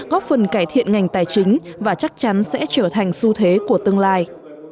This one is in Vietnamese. góp phần cải thiện ngành tài chính và chắc chắn sẽ trở thành xu thế của tương lai